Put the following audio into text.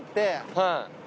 はい。